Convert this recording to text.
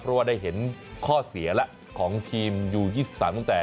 เพราะว่าได้เห็นข้อเสียแล้วของทีมยู๒๓ตั้งแต่